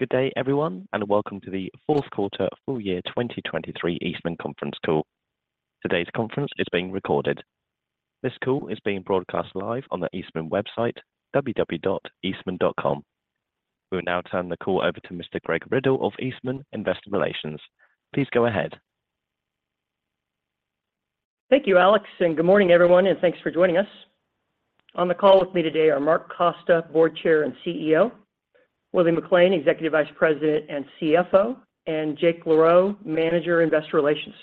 Good day, everyone, and welcome to the fourth quarter full year 2023 Eastman conference call. Today's conference is being recorded. This call is being broadcast live on the Eastman website, www.eastman.com. We will now turn the call over to Mr. Greg Riddle of Eastman Investor Relations. Please go ahead. Thank you, Alex, and good morning, everyone, and thanks for joining us. On the call with me today are Mark Costa, Board Chair and CEO; William McLain, Executive Vice President and CFO; and Jake LaRoe, Manager, Investor Relations.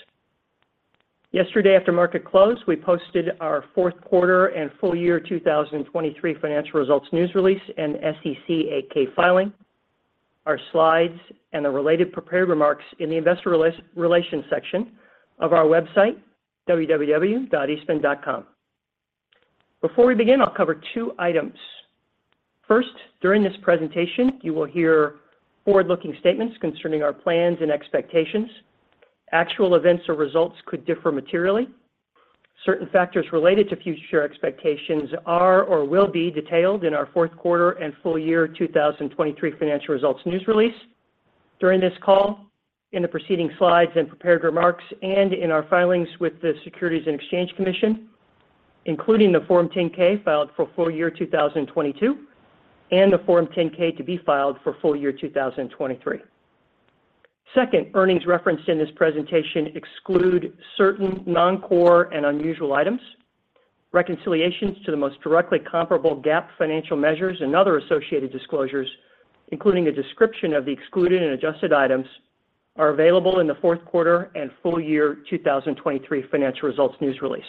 Yesterday, after market close, we posted our fourth quarter and full year 2023 financial results news release and SEC 8-K filing, our slides, and the related prepared remarks in the investor relations section of our website, www.eastman.com. Before we begin, I'll cover two items. First, during this presentation, you will hear forward-looking statements concerning our plans and expectations. Actual events or results could differ materially. Certain factors related to future expectations are or will be detailed in our fourth quarter and full year 2023 financial results news release. During this call, in the preceding slides and prepared remarks, and in our filings with the Securities and Exchange Commission, including the Form 10-K filed for full year 2022, and the Form 10-K to be filed for full year 2023. Second, earnings referenced in this presentation exclude certain non-core and unusual items. Reconciliations to the most directly comparable GAAP financial measures and other associated disclosures, including a description of the excluded and adjusted items, are available in the fourth quarter and full year 2023 financial results news release.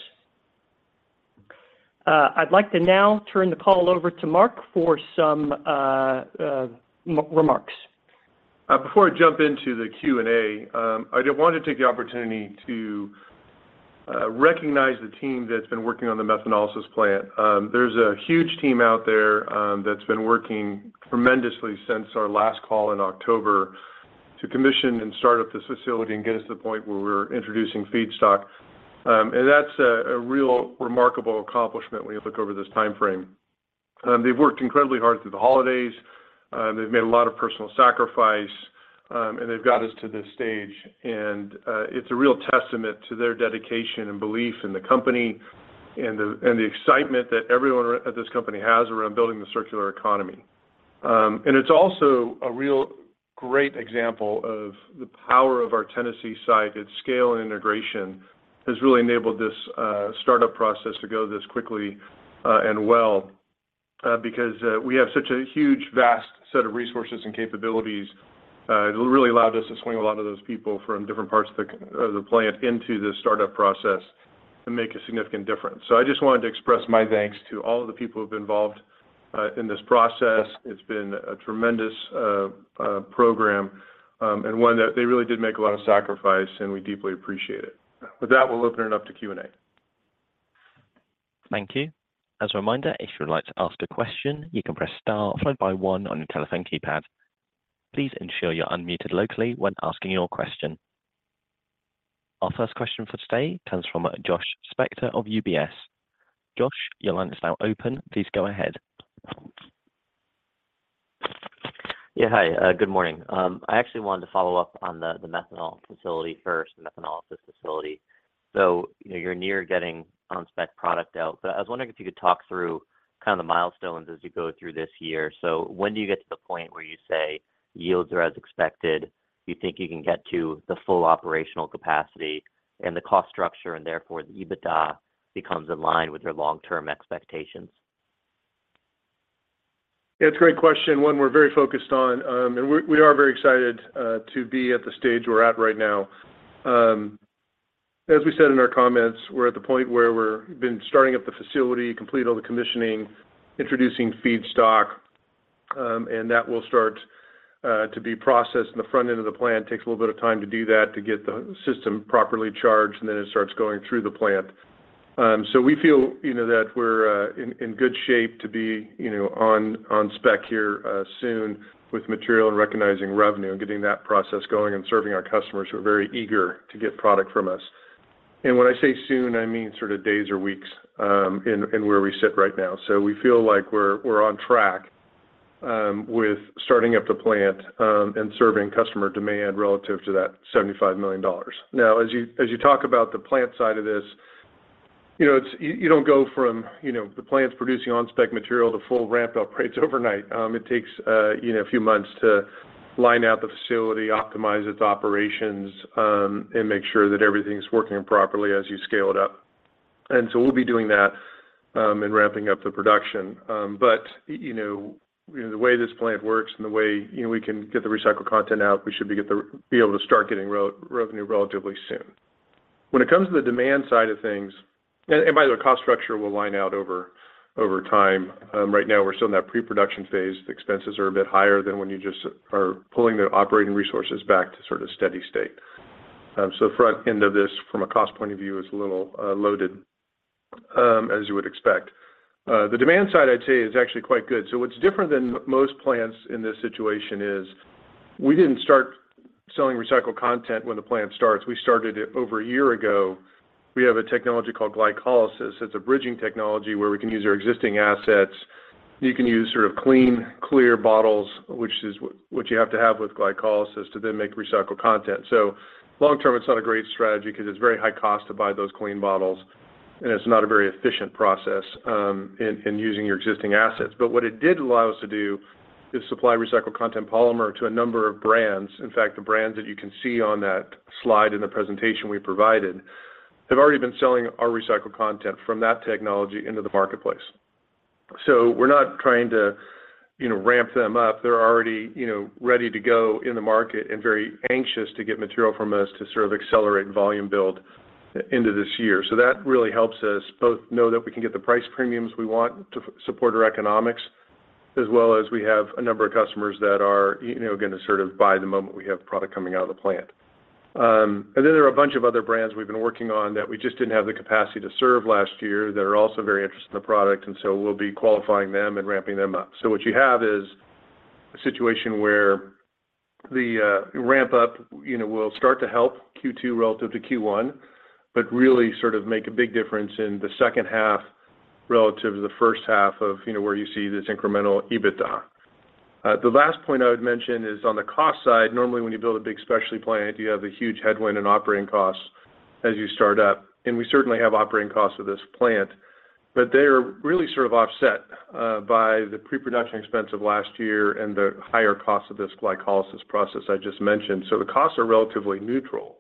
I'd like to now turn the call over to Mark for some remarks. Before I jump into the Q&A, I did want to take the opportunity to recognize the team that's been working on the methanolysis plant. There's a huge team out there that's been working tremendously since our last call in October to commission and start up this facility and get us to the point where we're introducing feedstock. That's a real remarkable accomplishment when you look over this timeframe. They've worked incredibly hard through the holidays. They've made a lot of personal sacrifice, and they've got us to this stage, and it's a real testament to their dedication and belief in the company and the excitement that everyone at this company has around building the circular economy. It's also a real great example of the power of our Tennessee site. It's scale and integration has really enabled this startup process to go this quickly and well, because we have such a huge, vast set of resources and capabilities. It really allowed us to swing a lot of those people from different parts of the plant into this startup process and make a significant difference. So I just wanted to express my thanks to all of the people who've been involved in this process. It's been a tremendous program, and one that they really did make a lot of sacrifice, and we deeply appreciate it. With that, we'll open it up to Q&A. Thank you. As a reminder, if you would like to ask a question, you can press star followed by one on your telephone keypad. Please ensure you're unmuted locally when asking your question. Our first question for today comes from Josh Spector of UBS. Josh, your line is now open. Please go ahead. Yeah, hi. Good morning. I actually wanted to follow up on the methanolysis facility first. So you know, you're near getting on-spec product out, but I was wondering if you could talk through kind of the milestones as you go through this year. So when do you get to the point where you say yields are as expected, you think you can get to the full operational capacity and the cost structure, and therefore the EBITDA becomes in line with your long-term expectations? Yeah, it's a great question, one we're very focused on. And we are very excited to be at the stage we're at right now. As we said in our comments, we're at the point where we're been starting up the facility, completed all the commissioning, introducing feedstock, and that will start to be processed in the front end of the plant. Takes a little bit of time to do that, to get the system properly charged, and then it starts going through the plant. So we feel, you know, that we're in good shape to be, you know, on spec here soon with material and recognizing revenue and getting that process going and serving our customers who are very eager to get product from us. And when I say soon, I mean sort of days or weeks, in where we sit right now. So we feel like we're on track with starting up the plant and serving customer demand relative to that $75 million. Now, as you talk about the plant side of this, you know, it's you don't go from, you know, the plant's producing on-spec material to full ramp-up rates overnight. It takes you know a few months to line out the facility, optimize its operations and make sure that everything's working properly as you scale it up. And so we'll be doing that and ramping up the production. But, you know, the way this plant works and the way, you know, we can get the recycled content out, we should be able to start getting revenue relatively soon. When it comes to the demand side of things. By the way, cost structure will line out over time. Right now, we're still in that pre-production phase. Expenses are a bit higher than when you just are pulling the operating resources back to sort of steady state. So front end of this, from a cost point of view, is a little loaded, as you would expect. The demand side, I'd say, is actually quite good. So what's different than most plants in this situation is, we didn't start selling recycled content when the plant starts. We started it over a year ago. We have a technology called glycolysis. It's a bridging technology where we can use our existing assets. You can use sort of clean, clear bottles, which is what you have to have with glycolysis to then make recycled content. So long term, it's not a great strategy 'cause it's very high cost to buy those clean bottles, and it's not a very efficient process in using your existing assets. But what it did allow us to do is supply recycled content polymer to a number of brands. In fact, the brands that you can see on that slide in the presentation we provided have already been selling our recycled content from that technology into the marketplace. So we're not trying to, you know, ramp them up. They're already, you know, ready to go in the market and very anxious to get material from us to sort of accelerate volume build into this year. So that really helps us both know that we can get the price premiums we want to support our economics, as well as we have a number of customers that are, you know, gonna sort of buy the moment we have product coming out of the plant. And then there are a bunch of other brands we've been working on that we just didn't have the capacity to serve last year that are also very interested in the product, and so we'll be qualifying them and ramping them up. So what you have is a situation where the ramp up, you know, will start to help Q2 relative to Q1, but really sort of make a big difference in the second half relative to the first half of, you know, where you see this incremental EBITDA. The last point I would mention is on the cost side, normally, when you build a big specialty plant, you have a huge headwind in operating costs as you start up, and we certainly have operating costs with this plant. But they are really sort of offset by the pre-production expense of last year and the higher cost of this glycolysis process I just mentioned. So the costs are relatively neutral.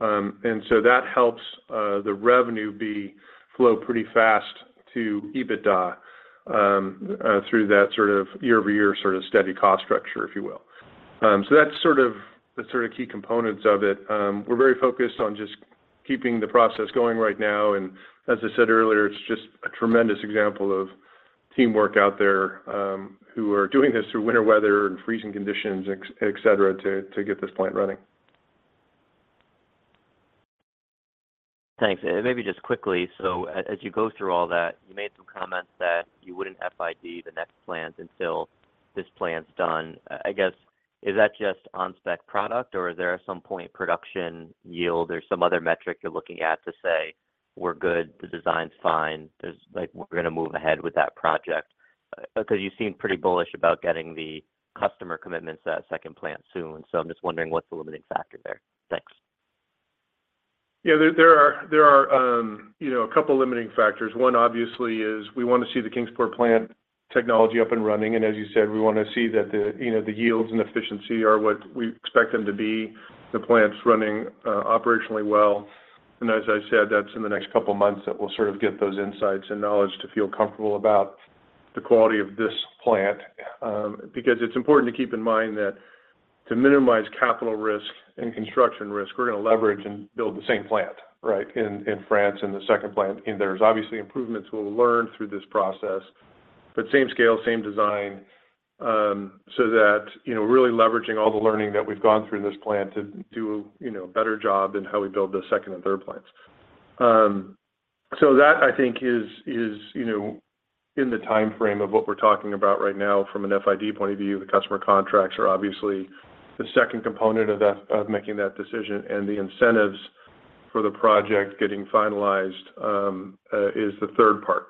And so that helps the revenue be flow pretty fast to EBITDA through that sort of year-over-year, sort of steady cost structure, if you will. So that's sort of the key components of it. We're very focused on just keeping the process going right now, and as I said earlier, it's just a tremendous example of teamwork out there, who are doing this through winter weather and freezing conditions, etc., to get this plant running. Thanks. Maybe just quickly, so as you go through all that, you made some comments that you wouldn't FID the next plant until this plant's done. I guess, is that just on spec product, or is there some point production yield or some other metric you're looking at to say, "We're good, the design's fine, there's, like, we're gonna move ahead with that project?" Because you seem pretty bullish about getting the customer commitments to that second plant soon, so I'm just wondering what's the limiting factor there. Thanks. Yeah, there are, you know, a couple limiting factors. One, obviously, is we want to see the Kingsport plant technology up and running, and as you said, we want to see that the, you know, the yields and efficiency are what we expect them to be, the plant's running, operationally well, and as I said, that's in the next couple of months that we'll sort of get those insights and knowledge to feel comfortable about the quality of this plant. Because it's important to keep in mind that to minimize capital risk and construction risk, we're gonna leverage and build the same plant, right, in France and the second plant. There's obviously improvements we'll learn through this process, but same scale, same design, so that, you know, really leveraging all the learning that we've gone through in this plant to do, you know, a better job in how we build the second and third plants. So that, I think, is you know, in the timeframe of what we're talking about right now from an FID point of view. The customer contracts are obviously the second component of that, of making that decision, and the incentives for the project getting finalized is the third part.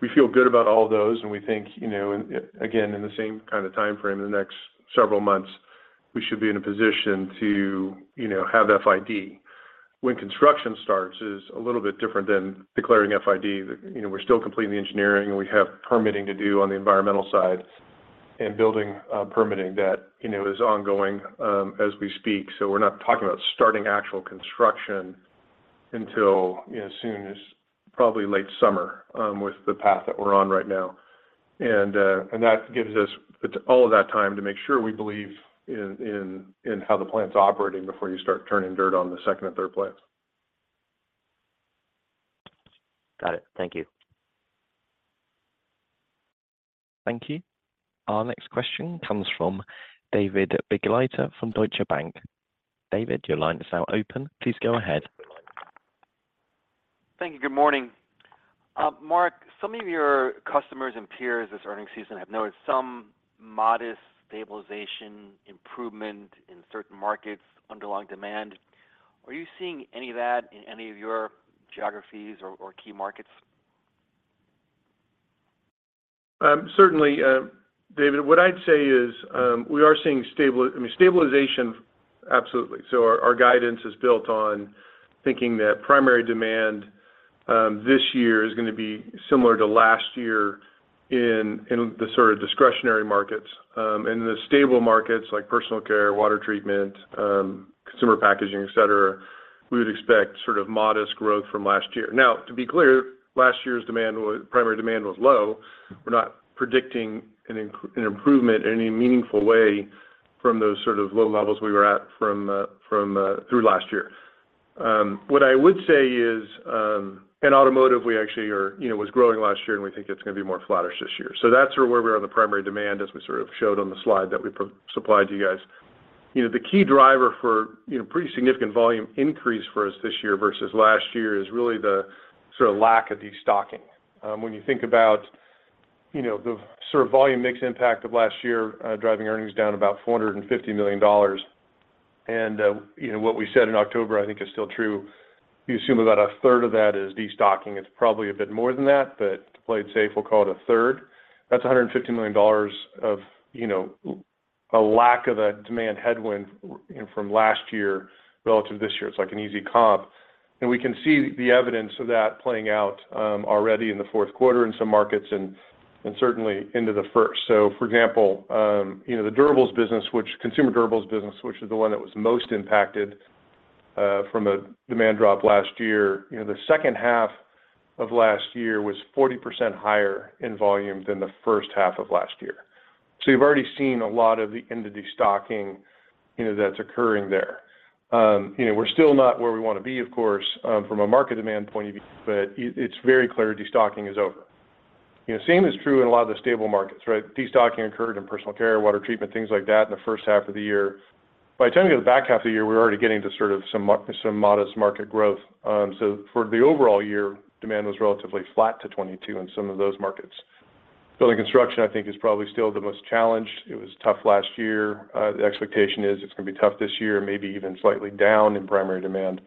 We feel good about all those, and we think, you know, again, in the same kind of timeframe, in the next several months, we should be in a position to, you know, have FID. When construction starts is a little bit different than declaring FID. You know, we're still completing the engineering, and we have permitting to do on the environmental side and building permitting that, you know, is ongoing, as we speak. So we're not talking about starting actual construction until, you know, as soon as probably late summer, with the path that we're on right now. And that gives us the all of that time to make sure we believe in how the plant's operating before you start turning dirt on the second and third plants. Got it. Thank you. Thank you. Our next question comes from David Begleiter from Deutsche Bank. David, your line is now open. Please go ahead. Thank you. Good morning. Mark, some of your customers and peers this earnings season have noticed some modest stabilization improvement in certain markets, underlying demand. Are you seeing any of that in any of your geographies or key markets? Certainly, David, what I'd say is, we are seeing stable, I mean, stabilization, absolutely. So our guidance is built on thinking that primary demand, this year is gonna be similar to last year in the sort of discretionary markets. In the stable markets, like personal care, water treatment, consumer packaging, etc., we would expect sort of modest growth from last year. Now, to be clear, last year's demand was, primary demand was low. We're not predicting an improvement in any meaningful way from those sort of low levels we were at from through last year. What I would say is, in automotive, we actually are. You know, was growing last year, and we think it's gonna be more flattish this year. So that's sort of where we are on the primary demand, as we sort of showed on the slide that we provided to you guys. You know, the key driver for, you know, pretty significant volume increase for us this year versus last year, is really the sort of lack of destocking. When you think about you know, the sort of volume mix impact of last year, driving earnings down about $450 million. And, you know, what we said in October, I think is still true. You assume about a third of that is destocking. It's probably a bit more than that, but to play it safe, we'll call it a third. That's $150 million of, you know, a lack of a demand headwind from last year relative to this year. It's like an easy comp, and we can see the evidence of that playing out already in the fourth quarter in some markets and certainly into the first. So for example, you know, the consumer durables business, which is the one that was most impacted from a demand drop last year, you know, the second half of last year was 40% higher in volume than the first half of last year. So we've already seen a lot of the end of destocking, you know, that's occurring there. You know, we're still not where we want to be, of course, from a market demand point of view, but it's very clear destocking is over. You know, same is true in a lot of the stable markets, right? Destocking occurred in personal care, water treatment, things like that in the first half of the year. By the time we get to the back half of the year, we're already getting to sort of some modest market growth. So for the overall year, demand was relatively flat to 2022 in some of those markets. Building construction, I think, is probably still the most challenged. It was tough last year. The expectation is it's going to be tough this year, maybe even slightly down in primary demand.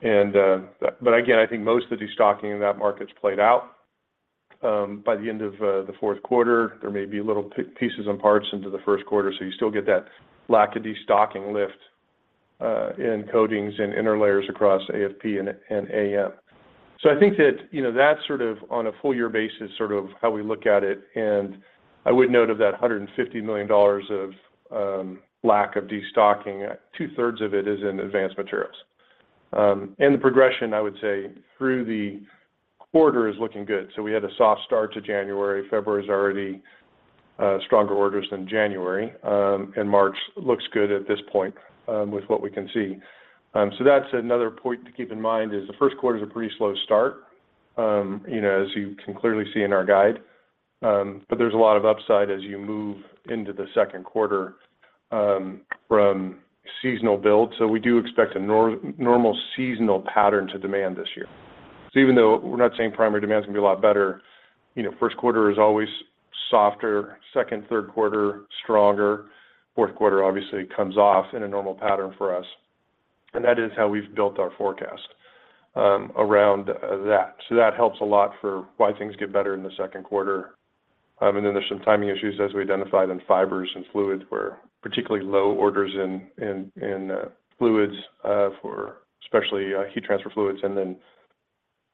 And, but again, I think most of the destocking in that market has played out by the end of the fourth quarter. There may be little pieces and parts into the first quarter, so you still get that lack of destocking lift in coatings and interlayers across AFP and AM. So I think that, you know, that's sort of on a full year basis, sort of how we look at it, and I would note of that $150 million of lack of destocking, two-thirds of it is in Advanced Materials. The progression, I would say, through the quarter is looking good. So we had a soft start to January. February is already stronger orders than January, and March looks good at this point, with what we can see. So that's another point to keep in mind, is the first quarter is a pretty slow start, you know, as you can clearly see in our guide. But there's a lot of upside as you move into the second quarter, from seasonal build. So we do expect a normal seasonal pattern to demand this year. So even though we're not saying primary demand is going to be a lot better, you know, first quarter is always softer, second, third quarter, stronger, fourth quarter obviously comes off in a normal pattern for us, and that is how we've built our forecast around that. So that helps a lot for why things get better in the second quarter. And then there's some timing issues, as we identified in Fibers and fluids, where particularly low orders in fluids for especially heat transfer fluids and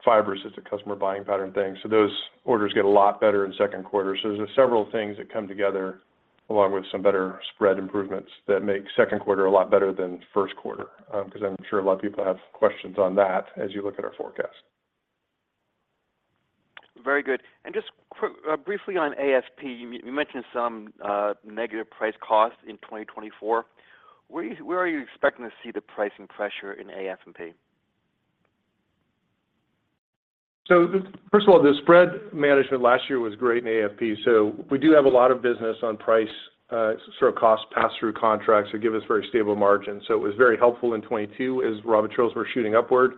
then Fibers, it's a customer buying pattern thing. So those orders get a lot better in second quarter. So there's several things that come together, along with some better spread improvements that make second quarter a lot better than first quarter. Because I'm sure a lot of people have questions on that as you look at our forecast. Very good. And just briefly on AFP, you mentioned some negative price costs in 2024. Where are you expecting to see the pricing pressure in AFP? So first of all, the spread management last year was great in AFP. So we do have a lot of business on price, sort of cost pass-through contracts that give us very stable margins. So it was very helpful in 2022 as raw materials were shooting upward.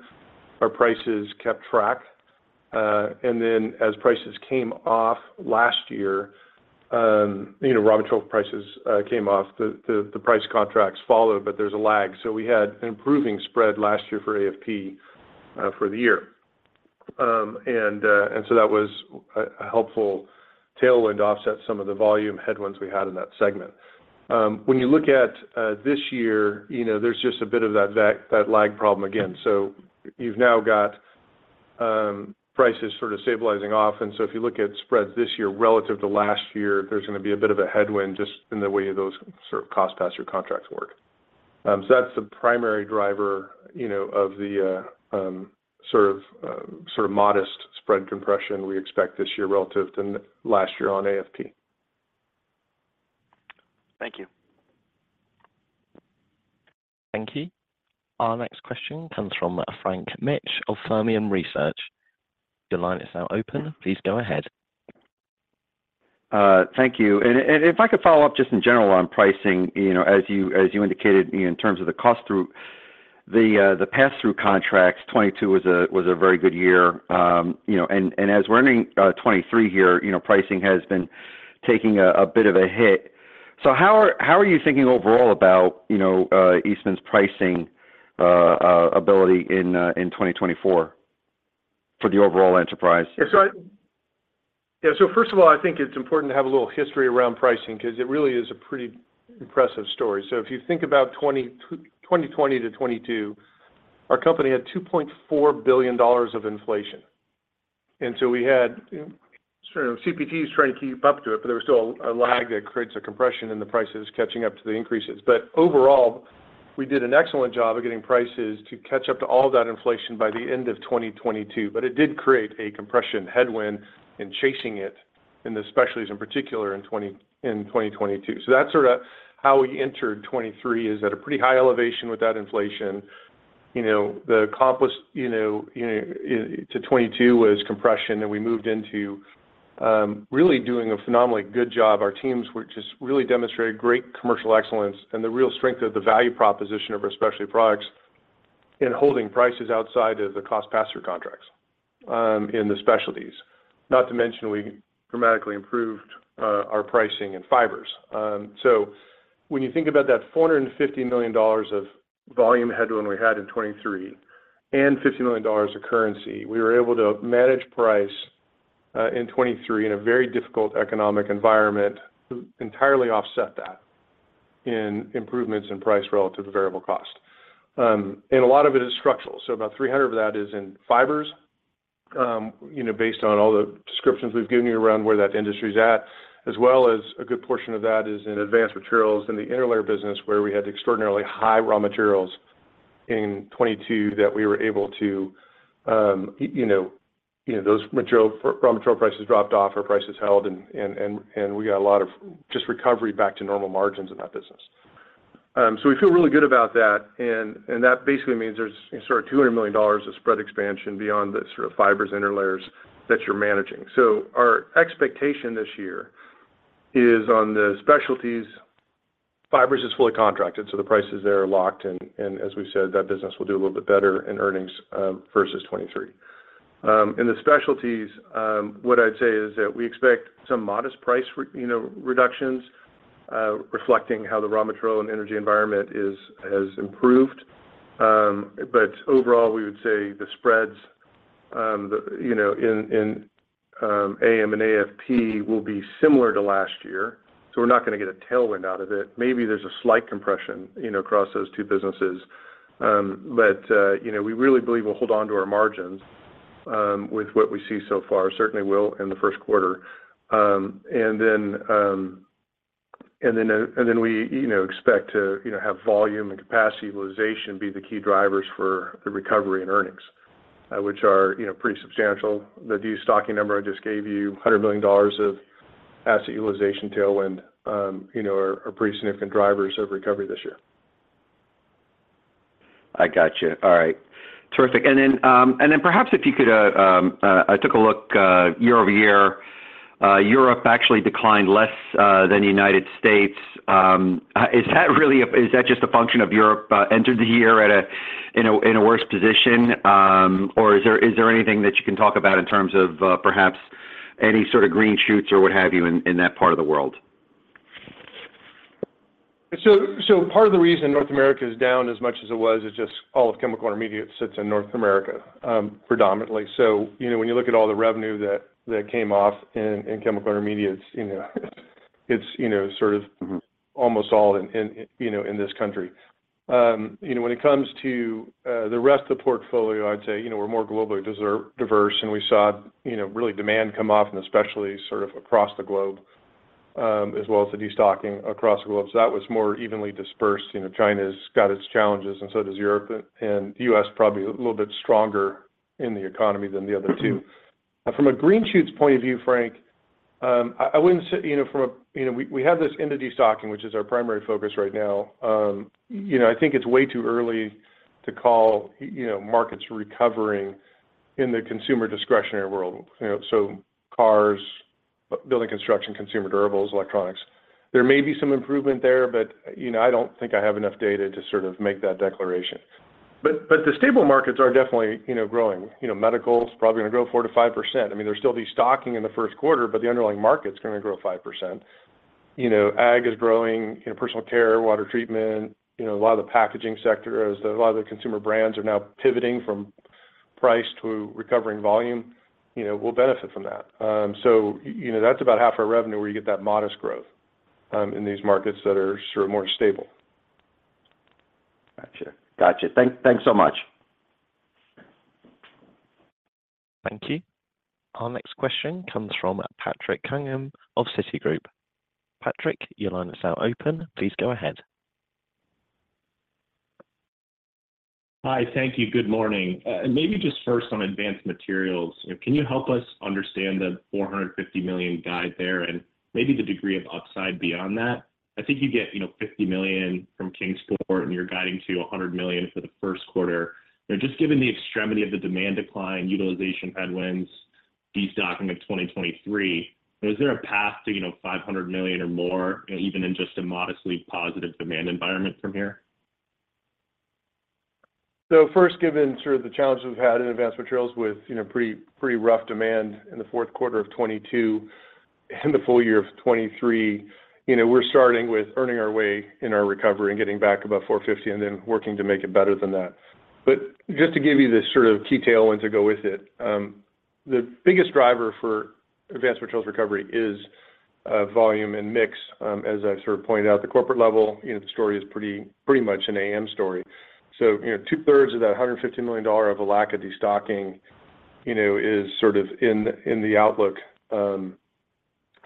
Our prices kept track, and then as prices came off last year, you know, raw material prices came off, the price contracts followed, but there's a lag. So we had an improving spread last year for AFP, for the year. And so that was a helpful tailwind to offset some of the volume headwinds we had in that segment. When you look at this year, you know, there's just a bit of that lag problem again. So you've now got, prices sort of stabilizing off, and so if you look at spreads this year relative to last year, there's going to be a bit of a headwind just in the way those sort of cost pass-through contracts work. So that's the primary driver, you know, of the sort of modest spread compression we expect this year relative to last year on AFP. Thank you. Thank you. Our next question comes from Frank Mitsch of Fermium Research. Your line is now open. Please go ahead. Thank you. And if I could follow up just in general on pricing, you know, as you indicated in terms of the cost through the pass-through contracts, 2022 was a very good year. You know, and as we're entering 2023 here, you know, pricing has been taking a bit of a hit. So how are you thinking overall about, you know, Eastman's pricing ability in 2024 for the overall enterprise? Yeah, so first of all, I think it's important to have a little history around pricing because it really is a pretty impressive story. So if you think about 2020-2022, our company had $2.4 billion of inflation. And so we had, you know, CPT is trying to keep up to it, but there was still a lag that creates a compression in the prices catching up to the increases. But overall, we did an excellent job of getting prices to catch up to all that inflation by the end of 2022, but it did create a compression headwind in chasing it, and especially in particular in 2022. So that's sort of how we entered 2023, is at a pretty high elevation with that inflation. You know, the accomplishment, you know, you know, to 2022 was compression, and we moved into really doing a phenomenally good job. Our teams were just really demonstrated great commercial excellence and the real strength of the value proposition of our specialty products, in holding prices outside of the cost pass-through contracts in the specialties. Not to mention, we dramatically improved our pricing in Fibers. So when you think about that $450 million of volume headwind we had in 2023, and $50 million of currency, we were able to manage price in 2023 in a very difficult economic environment, entirely offset that in improvements in price relative to variable cost. And a lot of it is structural, so about $300 million of that is in Fibers. You know, based on all the descriptions we've given you around where that industry is at, as well as a good portion of that is in Advanced Materials in the interlayer business, where we had extraordinarily high raw materials in 2022, that we were able to, you know. You know, those material, raw material prices dropped off, our prices held and, and, and, and we got a lot of just recovery back to normal margins in that business. So we feel really good about that, and, and that basically means there's sort of $200 million of spread expansion beyond the sort of Fibers interlayers that you're managing. So our expectation this year is on the specialties, Fibers is fully contracted, so the prices there are locked, and as we've said, that business will do a little bit better in earnings versus 2023. In the specialties, what I'd say is that we expect some modest price reductions, you know, reflecting how the raw material and energy environment has improved. But overall, we would say the spreads, you know, in AM and AFP will be similar to last year, so we're not going to get a tailwind out of it. Maybe there's a slight compression, you know, across those two businesses. But you know, we really believe we'll hold on to our margins with what we see so far. Certainly will in the first quarter. And then we, you know, expect to, you know, have volume and capacity utilization be the key drivers for the recovery in earnings, which are, you know, pretty substantial. The destocking number I just gave you, $100 million of asset utilization tailwind, you know, are pretty significant drivers of recovery this year. I got you. All right. Terrific. And then, perhaps if you could, I took a look, year-over-year, Europe actually declined less than the United States. Is that really a, is that just a function of Europe entered the year in a worse position? Or is there anything that you can talk about in terms of, perhaps any sort of green shoots or what have you, in that part of the world? So, part of the reason North America is down as much as it was is just all Chemical Intermediates sits in North America, predominantly. So you know, when you look at all the revenue that came off Chemical Intermediates, you know, it's, you know, sort of. Mm-hmm. Almost all in, you know, in this country. You know, when it comes to the rest of the portfolio, I'd say, you know, we're more globally diverse, and we saw, you know, really demand come off and especially sort of across the globe, as well as the destocking across the globe. So that was more evenly dispersed. You know, China has got its challenges, and so does Europe, and U.S. probably a little bit stronger in the economy than the other two. From a green shoots point of view, Frank, I wouldn't say, you know, from a, you know, we have this end-of-destocking, which is our primary focus right now. You know, I think it's way too early to call, you know, markets recovering in the consumer discretionary world. You know, so cars, building construction, consumer durables, electronics. There may be some improvement there, but, you know, I don't think I have enough data to sort of make that declaration. But the stable markets are definitely, you know, growing. You know, medical is probably going to grow 4%-5%. I mean, there's still destocking in the first quarter, but the underlying market is going to grow 5%. You know, ag is growing, you know, personal care, water treatment, you know, a lot of the packaging sector, as a lot of the consumer brands are now pivoting from price to recovering volume, you know, will benefit from that. So, you know, that's about half our revenue, where you get that modest growth in these markets that are sort of more stable. Gotcha. Gotcha. Thanks so much. Thank you. Our next question comes from Patrick Cunningham of Citigroup. Patrick, your line is now open. Please go ahead. Hi, thank you. Good morning. Maybe just first on Advanced Materials. Can you help us understand the $450 million guide there, and maybe the degree of upside beyond that? I think you get, you know, $50 million from Kingsport, and you're guiding to $100 million for the first quarter. You know, just given the extremity of the demand decline, utilization headwinds, destocking of 2023, is there a path to, you know, $500 million or more, even in just a modestly positive demand environment from here? So first, given sort of the challenges we've had in Advanced Materials with, you know, pretty, pretty rough demand in the fourth quarter of 2022 and the full year of 2023, you know, we're starting with earning our way in our recovery and getting back above $450 million, and then working to make it better than that. But just to give you the sort of key tailwind to go with it, the biggest driver for Advanced Materials recovery is, volume and mix. As I've sort of pointed out, the corporate level, you know, the story is pretty, pretty much an AM story. So, you know, two-thirds of that $150 million of a lack of destocking, you know, is sort of in the outlook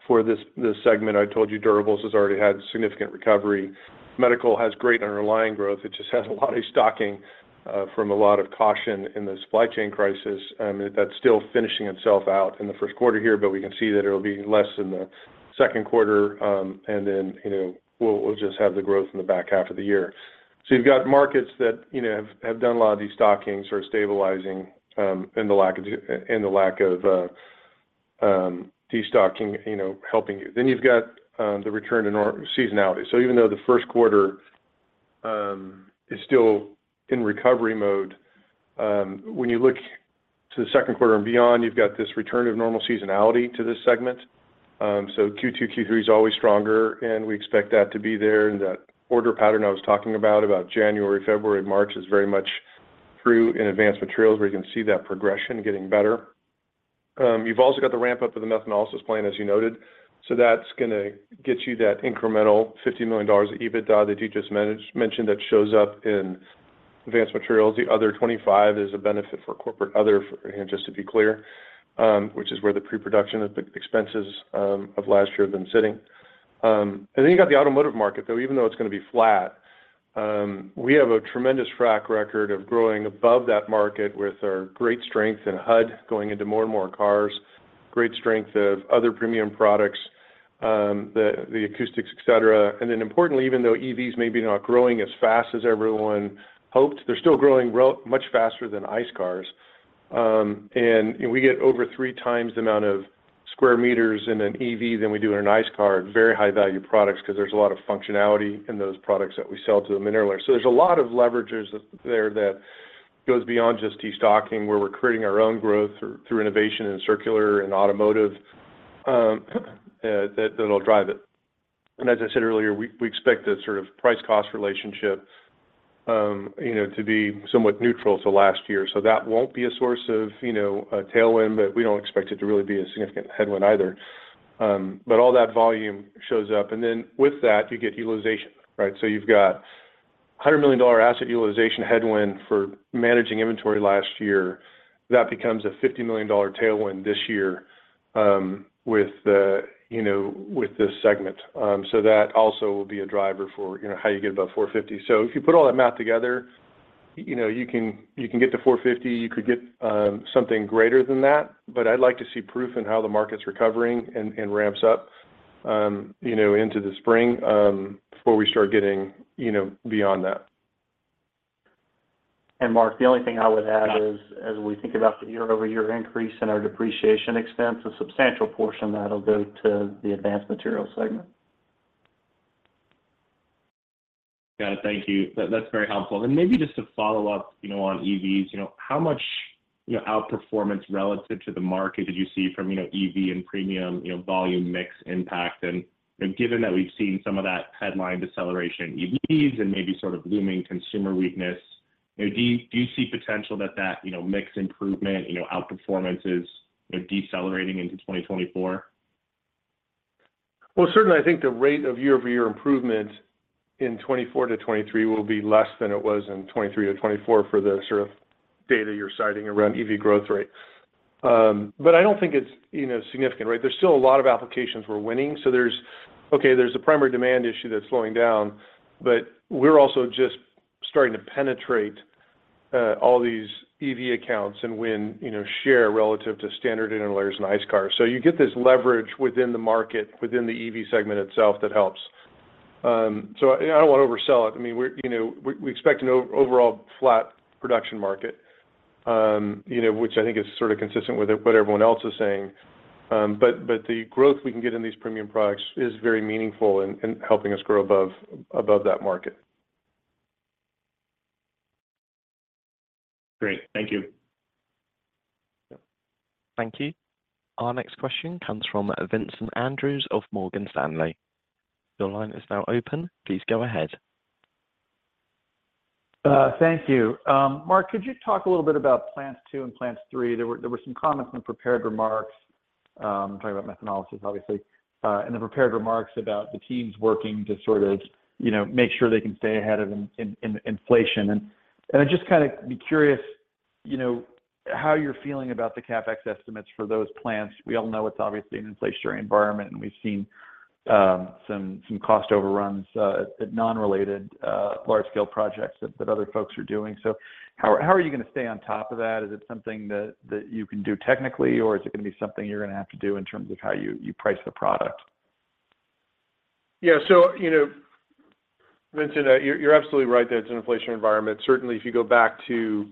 for this segment. I told you durables has already had significant recovery. Medical has great underlying growth. It just has a lot of destocking from a lot of caution in the supply chain crisis that's still finishing itself out in the first quarter here, but we can see that it'll be less in the second quarter. And then, you know, we'll just have the growth in the back half of the year. So you've got markets that, you know, have done a lot of destocking, sort of stabilizing, and the lack of destocking, you know, helping you. Then you've got the return to normal seasonality. So even though the first quarter is still in recovery mode, when you look to the second quarter and beyond, you've got this return of normal seasonality to this segment. So Q2, Q3 is always stronger, and we expect that to be there. That order pattern I was talking about, about January, February, March, is very much true in Advanced Materials, where you can see that progression getting better. You've also got the ramp-up of the methanolysis plant, as you noted. So that's gonna get you that incremental $50 million EBITDA that you just mentioned, that shows up in Advanced Materials. The other $25 million is a benefit for corporate other, for just to be clear, which is where the pre-production expenses of last year have been sitting. And then you got the automotive market, though, even though it's gonna be flat, we have a tremendous track record of growing above that market with our great strength in HUD going into more and more cars, great strength of other premium products, the acoustics, etc. And then importantly, even though EVs may be not growing as fast as everyone hoped, they're still growing relatively much faster than ICE cars. And we get over 3x the amount of square meters in an EV than we do in an ICE car. Very high value products, 'cause there's a lot of functionality in those products that we sell to them earlier. So there's a lot of leverages there that goes beyond just destocking, where we're creating our own growth through innovation in circular and automotive, that'll drive it. As I said earlier, we expect this sort of price cost relationship, you know, to be somewhat neutral to last year. So that won't be a source of, you know, a tailwind, but we don't expect it to really be a significant headwind either. But all that volume shows up, and then with that, you get utilization, right? So you've got a $100 million asset utilization headwind for managing inventory last year. That becomes a $50 million tailwind this year, with the, you know, with this segment. So that also will be a driver for, you know, how you get above $450 million. So if you put all that math together, you know, you can get to $450 million, you could get something greater than that, but I'd like to see proof in how the market's recovering and ramps up, you know, into the spring, before we start getting, you know, beyond that. And Mark, the only thing I would add is, as we think about the year-over-year increase in our depreciation expense, a substantial portion that'll go to the Advanced Materials segment. Got it. Thank you. That's very helpful. And maybe just to follow up, you know, on EVs, you know, how much, you know, outperformance relative to the market did you see from, you know, EV and premium, you know, volume mix impact? And given that we've seen some of that headline deceleration in EVs and maybe sort of looming consumer weakness, you know, do you see potential that, you know, mix improvement, you know, outperformance is, you know, decelerating into 2024? Well, certainly, I think the rate of year-over-year improvement in 2024-2023 will be less than it was in 2023-2024 for the sort of data you're citing around EV growth rate. But I don't think it's, you know, significant, right? There's still a lot of applications we're winning, so there's a primary demand issue that's slowing down, but we're also just starting to penetrate all these EV accounts and win, you know, share relative to standard interlayers and ICE cars. So you get this leverage within the market, within the EV segment itself, that helps. So I don't want to oversell it. I mean, we're, you know, we, we expect an overall flat production market, you know, which I think is sort of consistent with what everyone else is saying. But the growth we can get in these premium products is very meaningful in helping us grow above that market. Great. Thank you. Thank you. Our next question comes from Vincent Andrews of Morgan Stanley. Your line is now open. Please go ahead. Thank you. Mark, could you talk a little bit about plants two and plants three? There were some comments in the prepared remarks talking about methanolysis, obviously, and the prepared remarks about the teams working to sort of, you know, make sure they can stay ahead of inflation. And I'd just kind of be curious, you know, how you're feeling about the CapEx estimates for those plants. We all know it's obviously an inflationary environment, and we've seen some cost overruns at non-related large-scale projects that other folks are doing. So how are you going to stay on top of that? Is it something that you can do technically, or is it going to be something you're going to have to do in terms of how you price the product? Yeah. So, you know, Vincent, you're absolutely right that it's an inflation environment. Certainly, if you go back to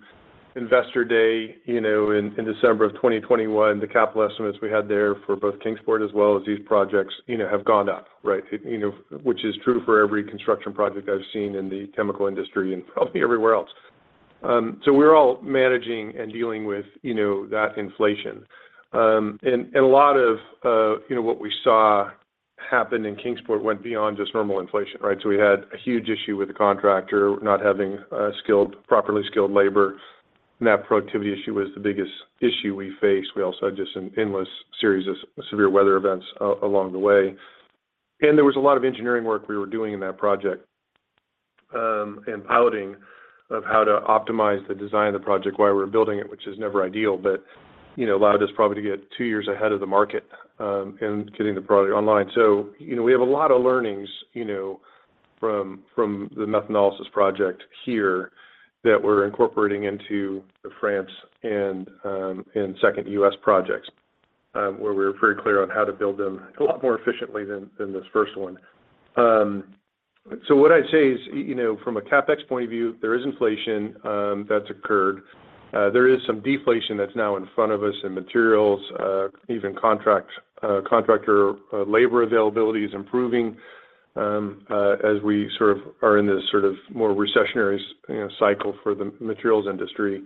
Investor Day, you know, in December 2021, the capital estimates we had there for both Kingsport as well as these projects, you know, have gone up, right? You know, which is true for every construction project I've seen in the chemical industry and probably everywhere else. So we're all managing and dealing with, you know, that inflation. And a lot of, you know, what we saw happen in Kingsport went beyond just normal inflation, right? So we had a huge issue with the contractor not having properly skilled labor, and that productivity issue was the biggest issue we faced. We also had just an endless series of severe weather events along the way. There was a lot of engineering work we were doing in that project, and piloting of how to optimize the design of the project while we were building it, which is never ideal, but, you know, allowed us probably to get two years ahead of the market, in getting the project online. So, you know, we have a lot of learnings, you know, from the methanolysis project here that we're incorporating into the France and second U.S. projects, where we're pretty clear on how to build them a lot more efficiently than this first one. So what I'd say is, you know, from a CapEx point of view, there is inflation, that's occurred. There is some deflation that's now in front of us in materials, even contractor labor availability is improving, as we sort of are in this sort of more recessionary, you know, cycle for the materials industry.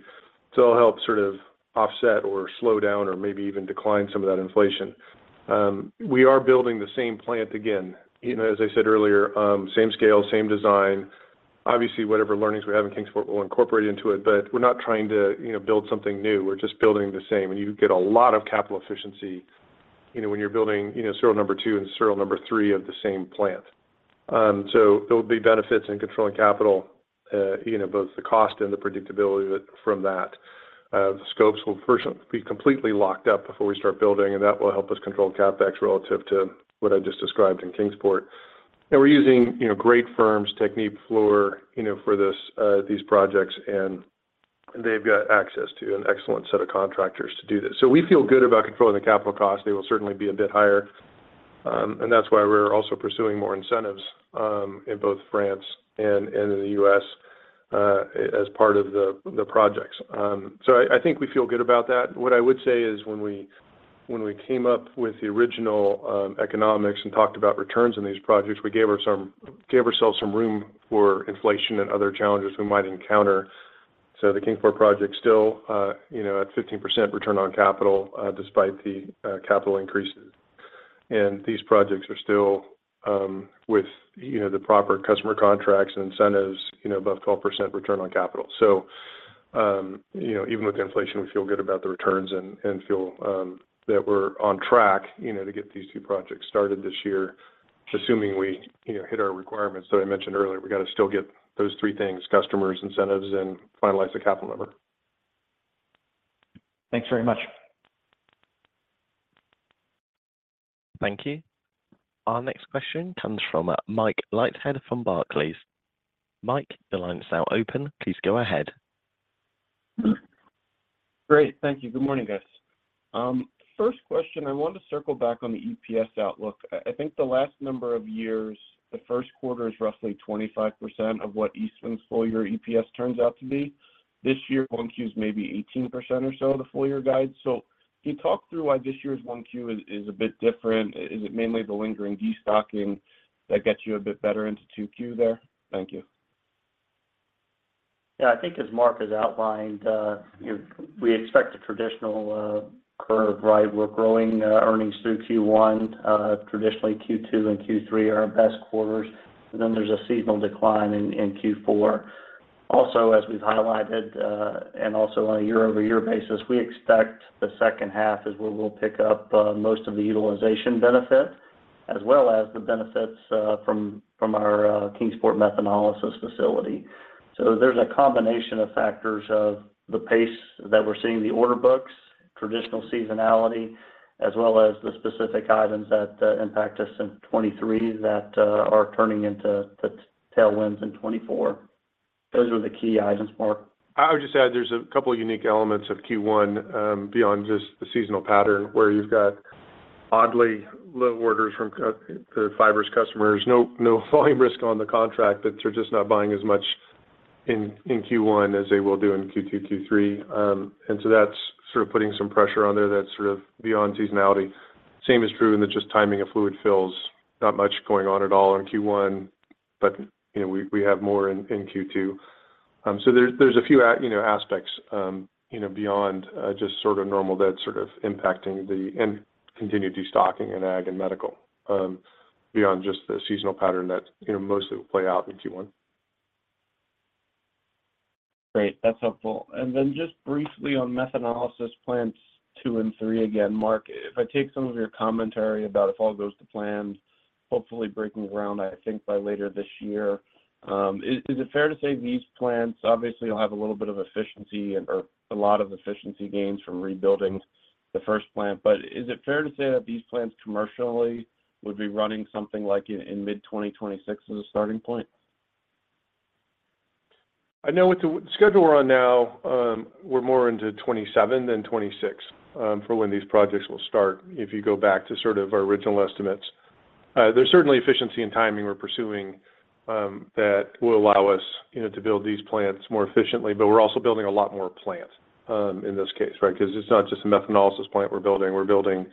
So it'll help sort of offset or slow down or maybe even decline some of that inflation. We are building the same plant again, you know, as I said earlier, same scale, same design. Obviously, whatever learnings we have in Kingsport, we'll incorporate into it, but we're not trying to, you know, build something new. We're just building the same, and you get a lot of capital efficiency, you know, when you're building, you know, serial number two and serial number three of the same plant. So there will be benefits in controlling capital, you know, both the cost and the predictability with from that. The scopes will first be completely locked up before we start building, and that will help us control CapEx relative to what I just described in Kingsport. And we're using, you know, great firms, Technip, Fluor, you know, for this, these projects, and they've got access to an excellent set of contractors to do this. So we feel good about controlling the capital costs. They will certainly be a bit higher, and that's why we're also pursuing more incentives, in both France and in the U.S., as part of the projects. So I think we feel good about that. What I would say is when we came up with the original economics and talked about returns on these projects, we gave ourselves some room for inflation and other challenges we might encounter. So the Kingsport project still, you know, at 15% return on capital, despite the capital increases. And these projects are still with, you know, the proper customer contracts and incentives, you know, above 12% return on capital. So, you know, even with inflation, we feel good about the returns and feel that we're on track, you know, to get these two projects started this year, assuming we, you know, hit our requirements that I mentioned earlier. We got to still get those three things: customers, incentives, and finalize the capital number. Thanks very much. Thank you. Our next question comes from Mike Leithead from Barclays. Mike, your line is now open. Please go ahead. Great. Thank you. Good morning, guys. First question, I want to circle back on the EPS outlook. I think the last number of years, the first quarter is roughly 25% of what Eastman's full-year EPS turns out to be. This year, 1Q is maybe 18% or so of the full-year guide. So can you talk through why this year's 1Q is a bit different? Is it mainly the lingering destocking that gets you a bit better into 2Q there? Thank you. Yeah, I think as Mark has outlined, you know, we expect a traditional curve, right? We're growing earnings through Q1. Traditionally, Q2 and Q3 are our best quarters, and then there's a seasonal decline in Q4. Also, as we've highlighted, and also on a year-over-year basis, we expect the second half is where we'll pick up most of the utilization benefits, as well as the benefits from our Kingsport methanolysis facility. So there's a combination of factors of the pace that we're seeing in the order books, traditional seasonality, as well as the specific items that impact us in 2023 that are turning into tailwinds in 2024. Those are the key items, Mike. I would just add, there's a couple unique elements of Q1, beyond just the seasonal pattern, where you've got oddly low orders from the Fibers customers. No, no volume risk on the contract, but they're just not buying as much in Q1 as they will do in Q2, Q3. And so that's sort of putting some pressure on there that's sort of beyond seasonality. Same is true in just the timing of fluid fills. Not much going on at all in Q1, but, you know, we have more in Q2. So there's a few, you know, aspects, you know, beyond just sort of normal that's sort of impacting the, and continued destocking in ag and medical, beyond just the seasonal pattern that, you know, mostly will play out in Q1. Great. That's helpful. Then just briefly on methanolysis plants two and three, again, Mark, if I take some of your commentary about if all goes to plan, hopefully breaking ground, I think by later this year, is it fair to say these plants obviously will have a little bit of efficiency or a lot of efficiency gains from rebuilding the first plant, but is it fair to say that these plants commercially would be running something like in mid-2026 as a starting point? I know with the schedule we're on now, we're more into 2027 than 2026 for when these projects will start, if you go back to sort of our original estimates. There's certainly efficiency and timing we're pursuing that will allow us, you know, to build these plants more efficiently, but we're also building a lot more plant in this case, right? Because it's not just a methanolysis plant we're building, we're building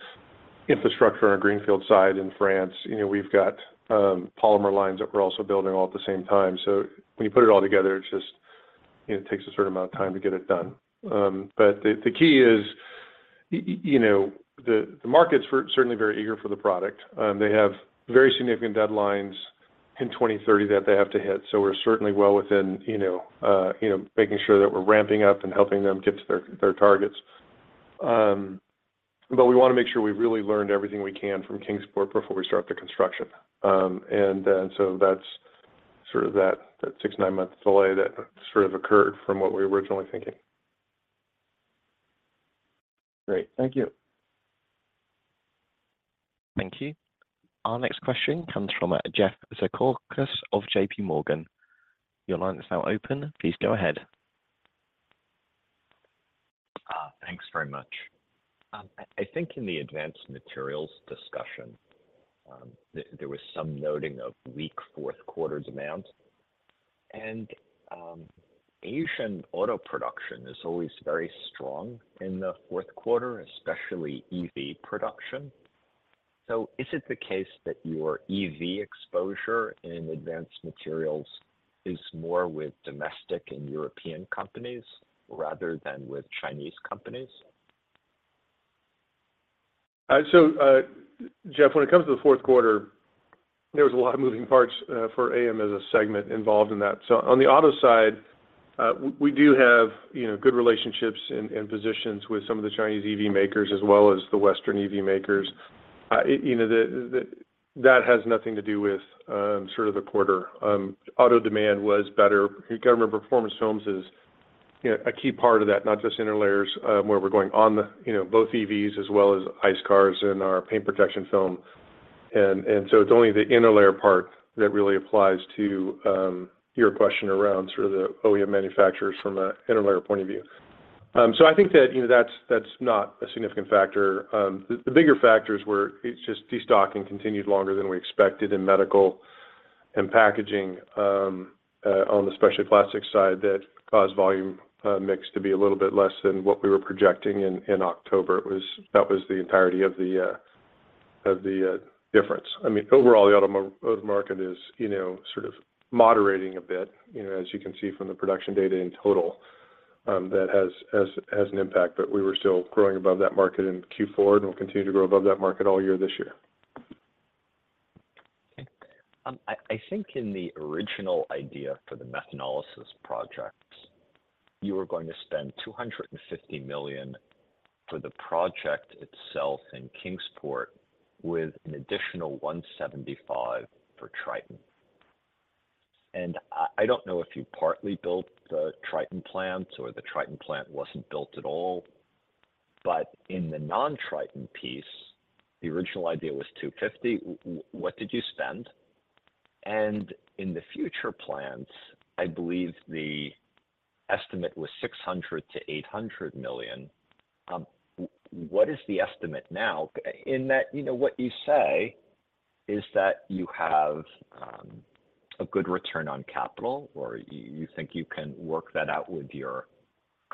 infrastructure on our greenfield side in France. You know, we've got polymer lines that we're also building all at the same time. So when you put it all together, it's just, you know, it takes a certain amount of time to get it done. But the key is, you know, the market's very certainly very eager for the product. They have very significant deadlines in 2030 that they have to hit, so we're certainly well within, you know, you know, making sure that we're ramping up and helping them get to their, their targets. But we want to make sure we've really learned everything we can from Kingsport before we start the construction. And then so that's sort of that, that six, nine month delay that sort of occurred from what we were originally thinking. Great. Thank you. Thank you. Our next question comes from Jeff Zekauskas of JPMorgan. Your line is now open. Please go ahead. Thanks very much. I think in the Advanced Materials discussion, there was some noting of weak fourth quarter demand. And Asian auto production is always very strong in the fourth quarter, especially EV production. So is it the case that your EV exposure in Advanced Materials is more with domestic and European companies rather than with Chinese companies? So, Jeff, when it comes to the fourth quarter, there was a lot of moving parts for AM as a segment involved in that. So on the auto side, we do have, you know, good relationships and positions with some of the Chinese EV makers as well as the Western EV makers. You know, that has nothing to do with sort of the quarter. Auto demand was better. You got to remember, performance films is, you know, a key part of that, not just interlayers, where we're going on the, you know, both EVs as well as ICE cars and our paint protection film. And so it's only the interlayer part that really applies to your question around sort of the OEM manufacturers from a interlayer point of view. So I think that, you know, that's, that's not a significant factor. The bigger factors were it's just destocking continued longer than we expected in medical and packaging, on the specialty plastic side, that caused volume mix to be a little bit less than what we were projecting in October. It was. That was the entirety of the difference. I mean, overall, the market is, you know, sort of moderating a bit, you know, as you can see from the production data in total. That has an impact, but we were still growing above that market in Q4, and we'll continue to grow above that market all year this year. Okay. I think in the original idea for the methanolysis projects, you were going to spend $250 million for the project itself in Kingsport, with an additional $175 million for Tritan. And I don't know if you partly built the Tritan plant or the Tritan plant wasn't built at all, but in the non-Tritan piece, the original idea was $250 million. What did you spend? And in the future plans, I believe the estimate was $600 million-$800 million. What is the estimate now? In that, you know, what you say is that you have a good return on capital, or you think you can work that out with your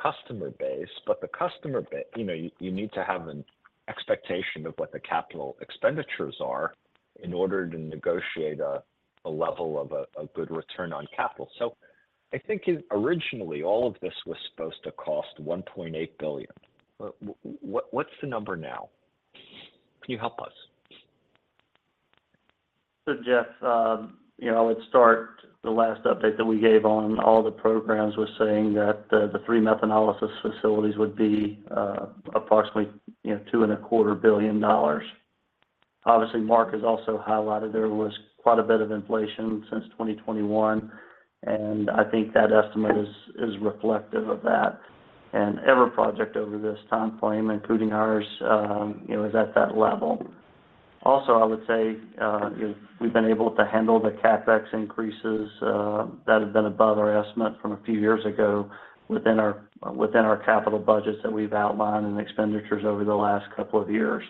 customer base. But the customer, you know, you need to have an expectation of what the capital expenditures are in order to negotiate a level of a good return on capital. So I think originally, all of this was supposed to cost $1.8 billion. What, what's the number now? Can you help us? So, Jeff, you know, I would start the last update that we gave on all the programs was saying that the three methanolysis facilities would be, approximately, you know, $2.25 billion. Obviously, Mark has also highlighted there was quite a bit of inflation since 2021, and I think that estimate is reflective of that. And every project over this time frame, including ours, you know, is at that level. Also, I would say, you know, we've been able to handle the CapEx increases that have been above our estimate from a few years ago within our capital budgets that we've outlined in expenditures over the last couple of years.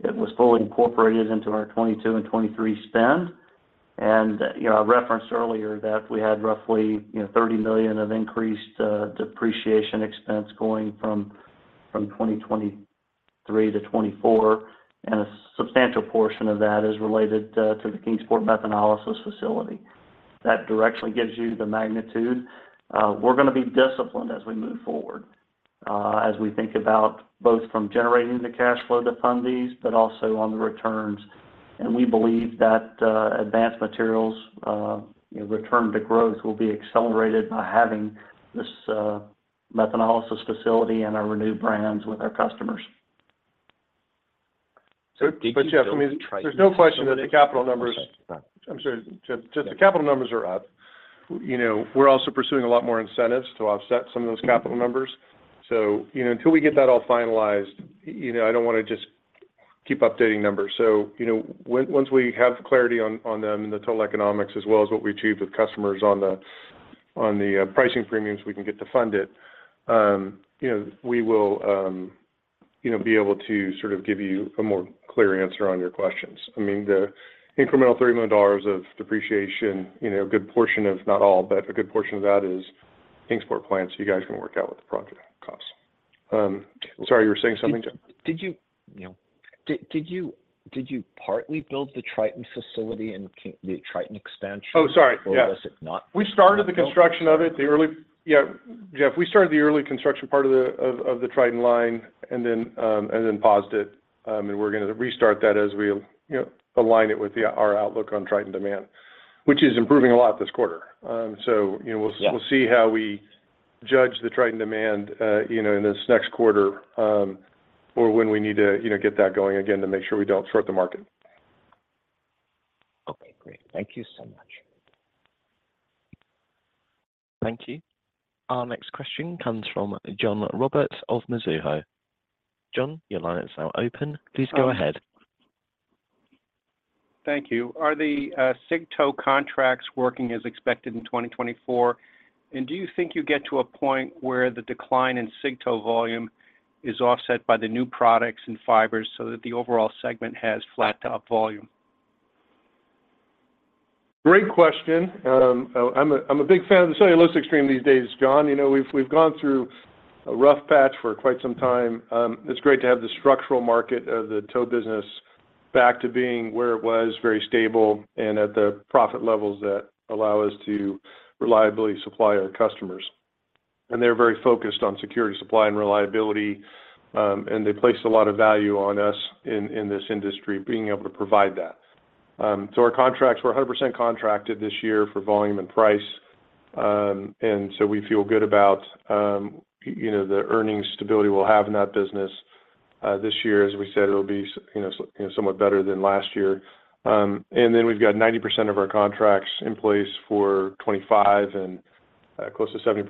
It was fully incorporated into our 2022 and 2023 spend. You know, I referenced earlier that we had roughly, you know, $30 million of increased depreciation expense going from 2023-2024, and a substantial portion of that is related to the Kingsport methanolysis facility. That directly gives you the magnitude. We're going to be disciplined as we move forward as we think about both from generating the cash flow to fund these, but also on the returns. And we believe that Advanced Materials, you know, return to growth will be accelerated by having this methanolysis facility and our renewed brands with our customers. Did you build the Tritan? But, Jeff, I mean, there's no question that the capital numbers. Okay. All right. I'm sorry, Jeff. The capital numbers are up. You know, we're also pursuing a lot more incentives to offset some of those capital numbers. So, you know, until we get that all finalized, you know, I don't want to just keep updating numbers. So, you know, once we have clarity on them and the total economics, as well as what we achieve with customers on the pricing premiums, we can get to fund it, you know, we will, you know, be able to sort of give you a more clear answer on your questions. I mean, the incremental $30 million of depreciation, you know, a good portion of, not all, but a good portion of that is Kingsport plants. You guys can work out what the project costs. Sorry, you were saying something, Jeff? Did you, you know, did you partly build the Tritan facility and the Tritan expansion? Oh, sorry. Yeah. Or was it not? Yeah, Jeff, we started the early construction part of the Tritan line and then paused it. And we're going to restart that as we, you know, align it with our outlook on Tritan demand, which is improving a lot this quarter. So, you know. Yeah. We'll, we'll see how we judge the Tritan demand, you know, in this next quarter, or when we need to, you know, get that going again to make sure we don't short the market. Okay, great. Thank you so much. Thank you. Our next question comes from John Roberts of Mizuho. John, your line is now open. Please go ahead. Thank you. Are the cig tow contracts working as expected in 2024? And do you think you get to a point where the decline in cig tow volume is offset by the new products and Fibers so that the overall segment has flat top volume? Great question. So I'm a big fan of the cellulosic stream these days, John. You know, we've gone through a rough patch for quite some time. It's great to have the structural market of the tow business back to being where it was, very stable and at the profit levels that allow us to reliably supply our customers. And they're very focused on security, supply, and reliability, and they place a lot of value on us in this industry being able to provide that. So our contracts, we're 100% contracted this year for volume and price, and so we feel good about you know, the earnings stability we'll have in that business. This year, as we said, it'll be you know, somewhat better than last year. And then we've got 90% of our contracts in place for 2025 and close to 70%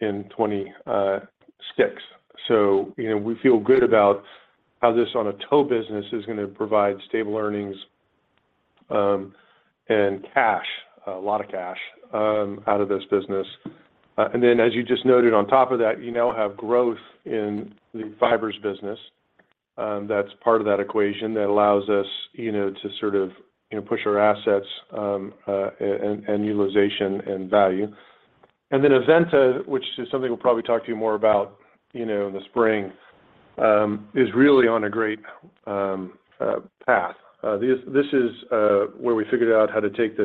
in 2026. So, you know, we feel good about how this tow business is gonna provide stable earnings and cash, a lot of cash, out of this business. And then, as you just noted on top of that, you now have growth in the Fibers business. That's part of that equation that allows us, you know, to sort of, you know, push our assets and utilization and value. And then Aventa, which is something we'll probably talk to you more about, you know, in the spring, is really on a great path. This is where we figured out how to take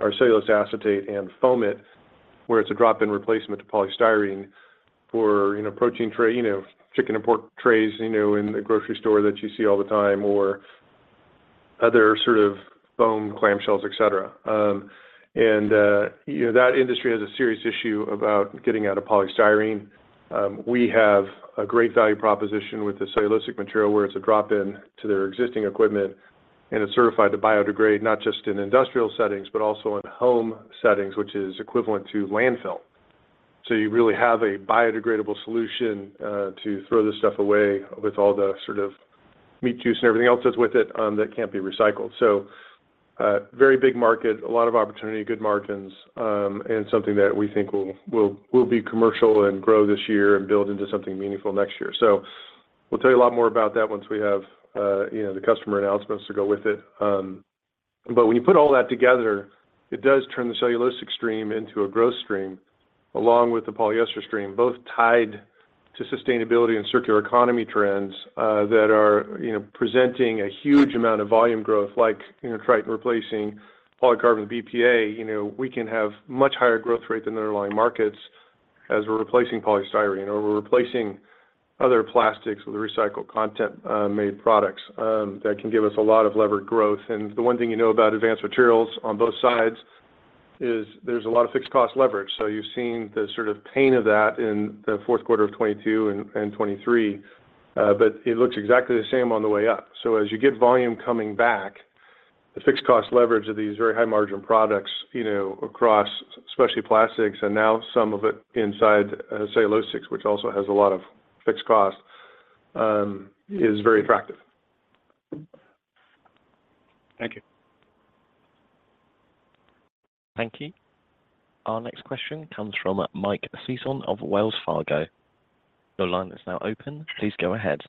our cellulose acetate and foam it, where it's a drop-in replacement to polystyrene for, you know, protein tray, you know, chicken and pork trays, you know, in the grocery store that you see all the time, or other sort of foam clamshells, etc. You know, that industry has a serious issue about getting out of polystyrene. We have a great value proposition with the cellulosic material, where it's a drop-in to their existing equipment, and it's certified to biodegrade, not just in industrial settings, but also in home settings, which is equivalent to landfill. So you really have a biodegradable solution to throw this stuff away with all the sort of meat juice and everything else that's with it, that can't be recycled. So, very big market, a lot of opportunity, good margins, and something that we think will be commercial and grow this year and build into something meaningful next year. So we'll tell you a lot more about that once we have, you know, the customer announcements to go with it. But when you put all that together, it does turn the cellulosic stream into a growth stream, along with the polyester stream, both tied to sustainability and circular economy trends, that are, you know, presenting a huge amount of volume growth, like, you know, Tritan replacing polycarbonate BPA. You know, we can have much higher growth rate than the underlying markets as we're replacing polystyrene, or we're replacing other plastics with recycled content, made products, that can give us a lot of levered growth. The one thing you know about Advanced Materials on both sides is there's a lot of fixed cost leverage. So you've seen the sort of pain of that in the fourth quarter of 2022 and 2023, but it looks exactly the same on the way up. So as you get volume coming back, the fixed cost leverage of these very high-margin products, you know, across especially plastics and now some of it inside cellulosic, which also has a lot of fixed cost, is very attractive. Thank you. Thank you. Our next question comes from Mike Sison of Wells Fargo. Your line is now open. Please go ahead.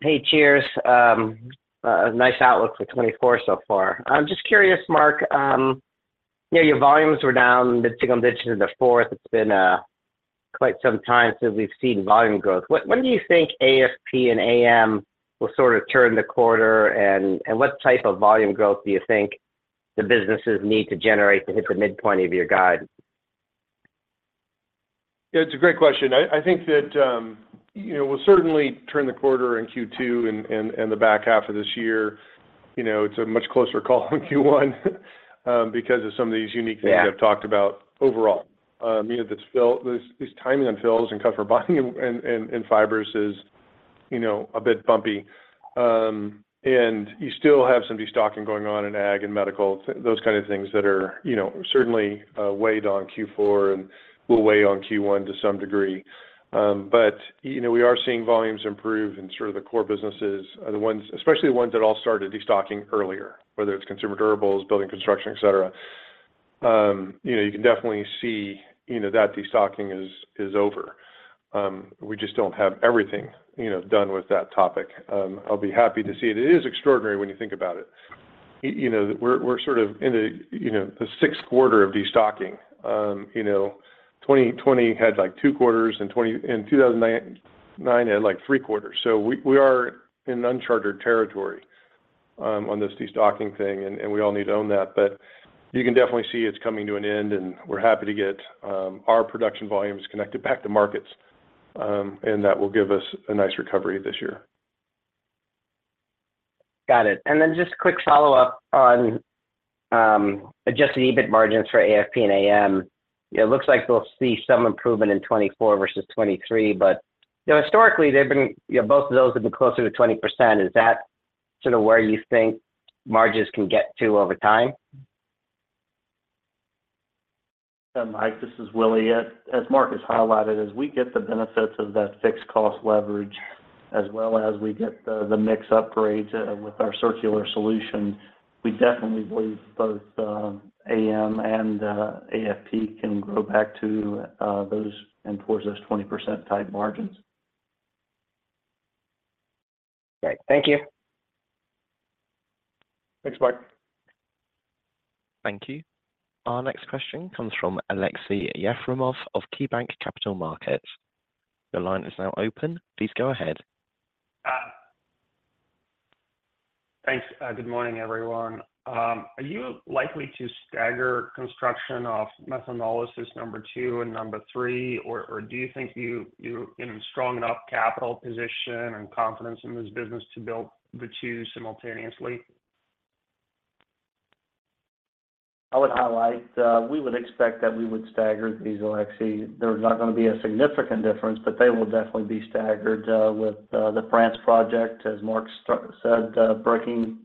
Hey, cheers. Nice outlook for 2024 so far. I'm just curious, Mark, you know, your volumes were down a bit, too. Conviction in the fourth. It's been quite some time since we've seen volume growth. When do you think AFP and AM will sort of turn the corner, and what type of volume growth do you think the businesses need to generate to hit the midpoint of your guide? Yeah, it's a great question. I think that, you know, we'll certainly turn the quarter in Q2 and the back half of this year. You know, it's a much closer call on Q1, because of some of these unique things. Yeah. I've talked about overall. You know, this timing on fills and customer buying and Fibers is, you know, a bit bumpy. And you still have some destocking going on in ag and medical, those kind of things that are, you know, certainly weighed on Q4 and will weigh on Q1 to some degree. But, you know, we are seeing volumes improve in sort of the core businesses, the ones, especially the ones that all started destocking earlier, whether it's consumer durables, building construction, etc. You know, you can definitely see, you know, that destocking is over. We just don't have everything, you know, done with that topic. I'll be happy to see it. It is extraordinary when you think about it. You know, we're sort of in a sixth quarter of destocking. You know, 2020 had, like, two quarters, and 2009 had, like, three quarters. So we are in uncharted territory on this destocking thing, and we all need to own that. But you can definitely see it's coming to an end, and we're happy to get our production volumes connected back to markets, and that will give us a nice recovery this year. Got it. And then just quick follow-up on adjusted EBIT margins for AFP and AM. It looks like we'll see some improvement in 2024 versus 2023, but, you know, historically, they've been. You know, both of those have been closer to 20%. Is that sort of where you think margins can get to over time? Mike, this is Willie. As Mark has highlighted, as we get the benefits of that fixed cost leverage, as well as we get the mix upgrades with our circular solution, we definitely believe both AM and AFP can grow back to those and towards those 20% type margins. Great. Thank you. Thanks, Mike. Thank you. Our next question comes from Aleksey Yefremov of KeyBanc Capital Markets. The line is now open. Please go ahead. Thanks. Good morning, everyone. Are you likely to stagger construction of methanolysis number two and number three? Or do you think you're in a strong enough capital position and confidence in this business to build the two simultaneously? I would highlight, we would expect that we would stagger these, Aleksey. There's not gonna be a significant difference, but they will definitely be staggered, with the France project, as Mark said, breaking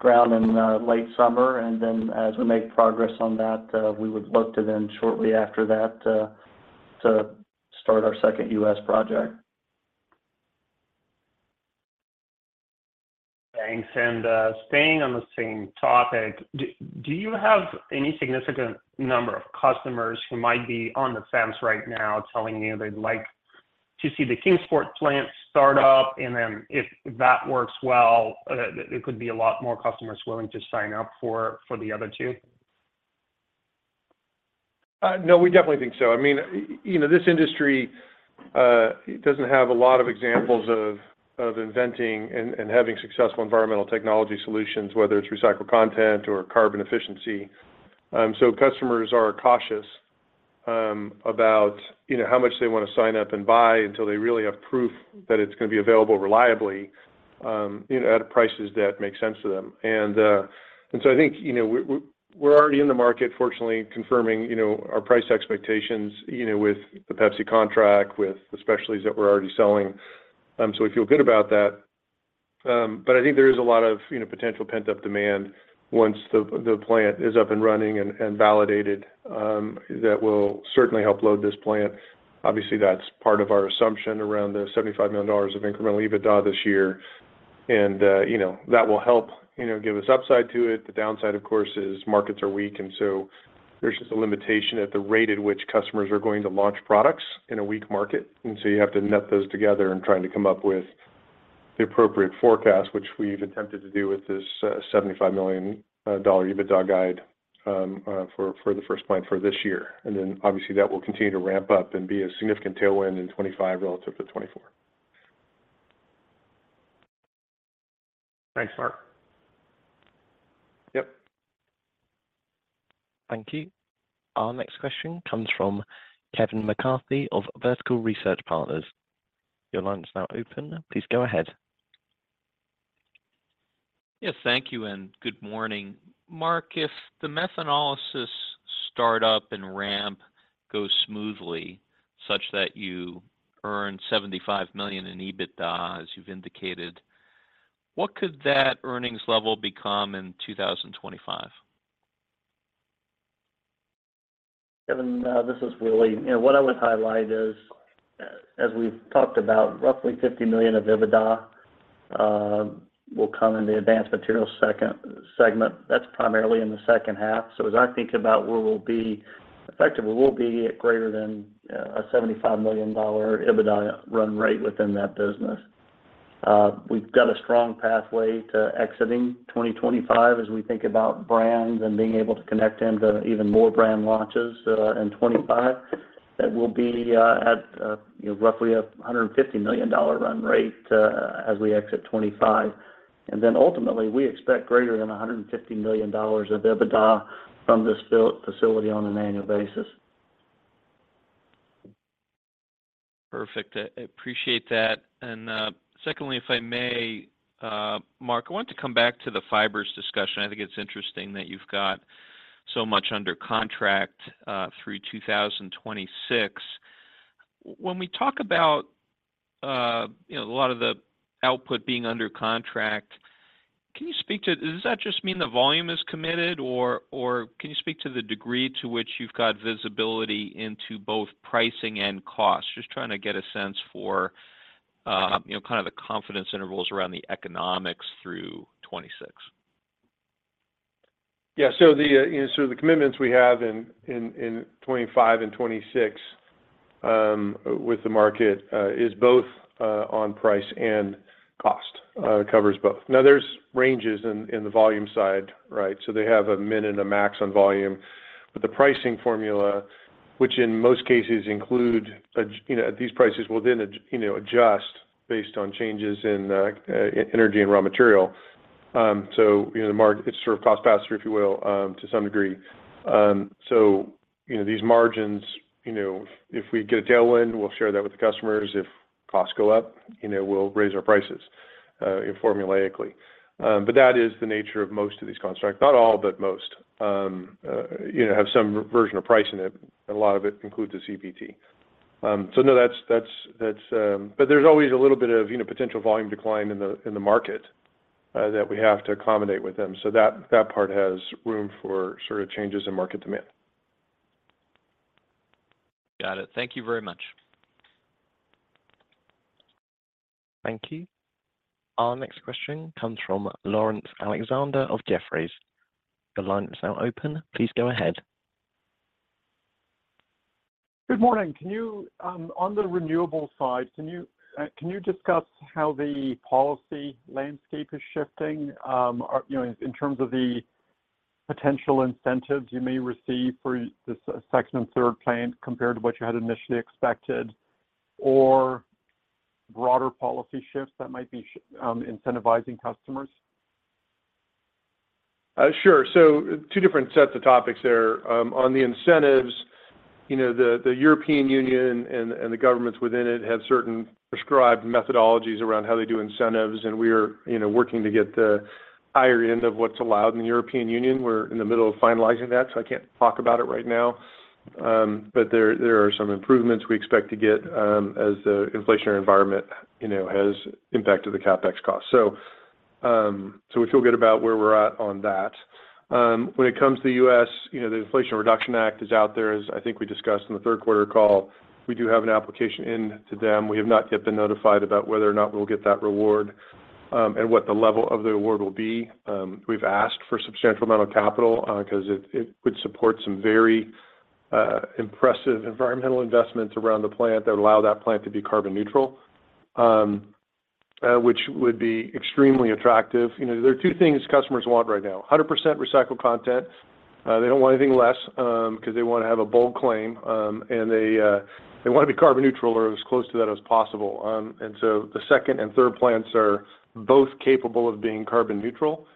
ground in late summer. And then as we make progress on that, we would look to then shortly after that, to start our second U.S. project. Thanks. And, staying on the same topic, do you have any significant number of customers who might be on the fence right now telling you they'd like to see the Kingsport plant start up, and then if that works well, there could be a lot more customers willing to sign up for the other two? No, we definitely think so. I mean, you know, this industry doesn't have a lot of examples of inventing and having successful environmental technology solutions, whether it's recycled content or carbon efficiency. So customers are cautious about, you know, how much they want to sign up and buy until they really have proof that it's gonna be available reliably, you know, at prices that make sense to them. And so I think, you know, we're already in the market, fortunately, confirming, you know, our price expectations, you know, with the Pepsi contract, with the specialties that we're already selling. So we feel good about that. But I think there is a lot of, you know, potential pent-up demand once the plant is up and running and validated that will certainly help load this plant. Obviously, that's part of our assumption around the $75 million of incremental EBITDA this year, and, you know, that will help, you know, give us upside to it. The downside, of course, is markets are weak, and so there's just a limitation at the rate at which customers are going to launch products in a weak market. And so you have to net those together in trying to come up with the appropriate forecast, which we've attempted to do with this, $75 million dollar EBITDA guide, for the first plant for this year. And then, obviously, that will continue to ramp up and be a significant tailwind in 2025 relative to 2024. Thanks, Mark. Yep. Thank you. Our next question comes from Kevin McCarthy of Vertical Research Partners. Your line is now open. Please go ahead. Yes, thank you, and good morning. Mark, if the methanolysis start up and ramp goes smoothly, such that you earn $75 million in EBITDA, as you've indicated, what could that earnings level become in 2025? Kevin, this is Willie. You know, what I would highlight is, as we've talked about, roughly $50 million of EBITDA will come in the Advanced Materials segment. That's primarily in the second half. So as I think about where we'll be, effectively, we'll be at greater than a $75 million EBITDA run rate within that business. We've got a strong pathway to exiting 2025 as we think about brands and being able to connect into even more brand launches in 2025. That will be at, you know, roughly a $150 million run rate as we exit 2025. And then ultimately, we expect greater than $150 million of EBITDA from this built facility on an annual basis. Perfect. I appreciate that. And, secondly, if I may, Mark, I want to come back to the Fibers discussion. I think it's interesting that you've got so much under contract through 2026. When we talk about, you know, a lot of the output being under contract, can you speak to, does that just mean the volume is committed, or can you speak to the degree to which you've got visibility into both pricing and cost? Just trying to get a sense for, you know, kind of the confidence intervals around the economics through 2026. Yeah. So the commitments we have in 2025 and 2026 with the market is both on price and cost. It covers both. Now, there's ranges in the volume side, right? So they have a min and a max on volume, but the pricing formula, which in most cases include a, you know, these prices will then adjust based on changes in energy and raw material. So, you know, the margins, it's sort of cost pass-through, if you will, to some degree. So, you know, these margins, you know, if we get a tailwind, we'll share that with the customers. If costs go up, you know, we'll raise our prices formulaically. But that is the nature of most of these contracts, not all, but most, you know, have some version of pricing it, and a lot of it includes the CPT. So no, that's. But there's always a little bit of, you know, potential volume decline in the market that we have to accommodate with them. So that part has room for sort of changes in market demand. Got it. Thank you very much. Thank you. Our next question comes from Laurence Alexander of Jefferies. The line is now open. Please go ahead. Good morning. Can you on the renewable side discuss how the policy landscape is shifting, or, you know, in terms of the potential incentives you may receive for this second and third plant compared to what you had initially expected, or broader policy shifts that might be incentivizing customers? Sure. So two different sets of topics there. On the incentives, you know, the European Union and the governments within it have certain prescribed methodologies around how they do incentives, and we are, you know, working to get the higher end of what's allowed in the European Union. We're in the middle of finalizing that, so I can't talk about it right now. But there are some improvements we expect to get, as the inflationary environment, you know, has impacted the CapEx cost. So we feel good about where we're at on that. When it comes to the U.S., you know, the Inflation Reduction Act is out there, as I think we discussed in the third quarter call. We do have an application in to them. We have not yet been notified about whether or not we'll get that reward, and what the level of the award will be. We've asked for a substantial amount of capital, because it would support some very impressive environmental investments around the plant that would allow that plant to be carbon neutral, which would be extremely attractive. You know, there are two things customers want right now: 100% recycled content, they don't want anything less, because they want to have a bold claim, and they want to be carbon neutral or as close to that as possible. And so the second and third plants are both capable of being carbon neutral,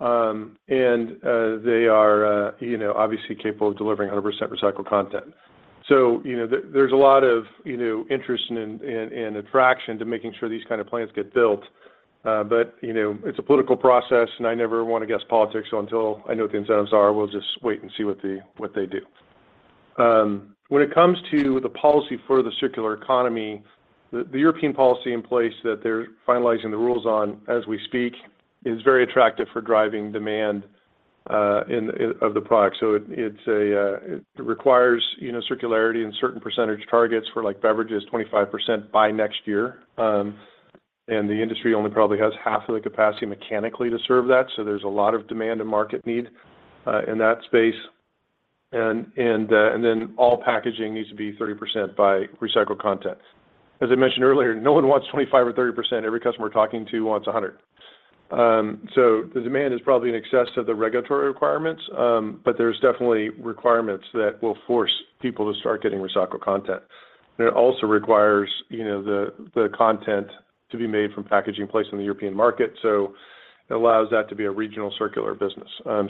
and they are, you know, obviously capable of delivering 100% recycled content. So, you know, there's a lot of, you know, interest and attraction to making sure these kind of plants get built. But, you know, it's a political process, and I never want to guess politics. So until I know what the incentives are, we'll just wait and see what they do. When it comes to the policy for the circular economy, the European policy in place that they're finalizing the rules on as we speak is very attractive for driving demand of the product. So it requires, you know, circularity and certain percentage targets for, like, beverages, 25% by next year. And the industry only probably has half of the capacity mechanically to serve that, so there's a lot of demand and market need in that space. All packaging needs to be 30% by recycled content. As I mentioned earlier, no one wants 25% or 30%. Every customer we're talking to wants 100%. The demand is probably in excess of the regulatory requirements, but there's definitely requirements that will force people to start getting recycled content. It also requires, you know, the content to be made from packaging placed in the European market, so it allows that to be a regional circular business. We're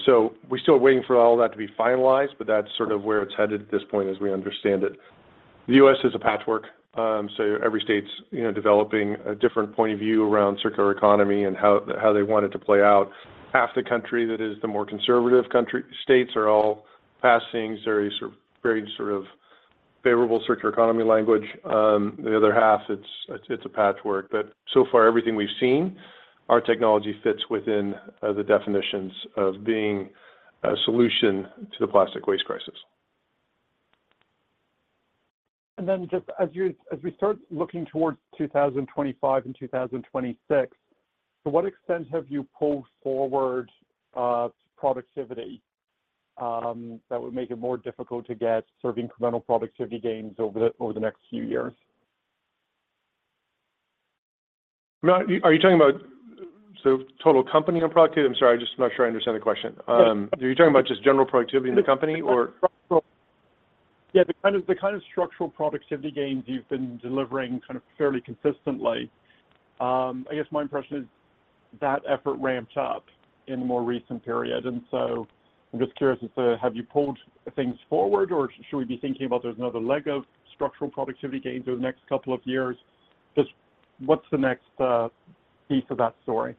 still waiting for all that to be finalized, but that's sort of where it's headed at this point, as we understand it. The U.S. is a patchwork, so every state's, you know, developing a different point of view around circular economy and how they want it to play out. Half the country, that is, the more conservative country's states are all passing various, very sort of favorable circular economy language. The other half, it's, it's a patchwork, but so far, everything we've seen, our technology fits within the definitions of being a solution to the plastic waste crisis. And then just as we start looking towards 2025 and 2026, to what extent have you pulled forward productivity that would make it more difficult to get sort of incremental productivity gains over the next few years? Are you talking about so total company on productivity? I'm sorry, I'm just not sure I understand the question. Are you talking about just general productivity in the company or? Yeah, the kind of structural productivity gains you've been delivering kind of fairly consistently. I guess my impression is that effort ramped up in the more recent period, and so I'm just curious as to have you pulled things forward, or should we be thinking about there's another leg of structural productivity gain through the next couple of years? Just what's the next piece of that story?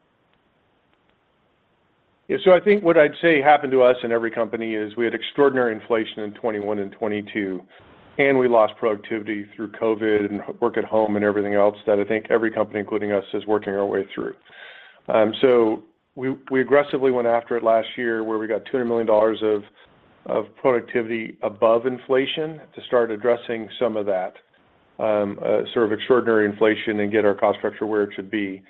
Yeah, so I think what I'd say happened to us and every company is we had extraordinary inflation in 2021 and 2022, and we lost productivity through COVID and work at home and everything else that I think every company, including us, is working our way through. So we aggressively went after it last year, where we got $200 million of productivity above inflation to start addressing some of that sort of extraordinary inflation and get our cost structure where it should be. This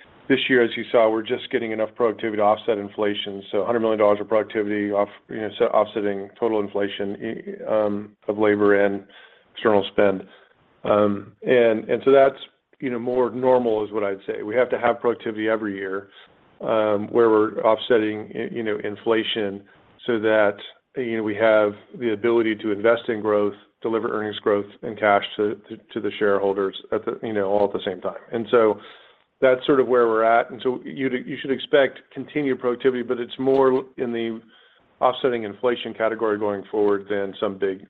year, as you saw, we're just getting enough productivity to offset inflation, so $100 million of productivity, you know, offsetting total inflation of labor and external spend. So that's, you know, more normal is what I'd say. We have to have productivity every year, where we're offsetting, you know, inflation so that, you know, we have the ability to invest in growth, deliver earnings growth and cash to the shareholders at the, you know, all at the same time. And so that's sort of where we're at. And so you should expect continued productivity, but it's more in the offsetting inflation category going forward than some big